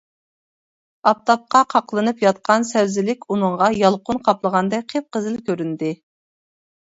ئاپتاپقا قاقلىنىپ ياتقان سەۋزىلىك ئۇنىڭغا يالقۇن قاپلىغاندەك قىپقىزىل كۆرۈندى.